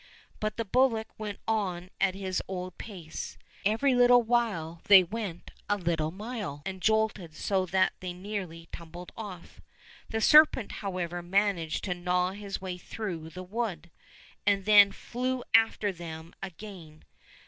But the bullock went on at his old pace : every little while they went a little mile, and jolted so that they nearly tumbled off. The serpent, however, managed to gnaw his way through the wood, and then flew after them again.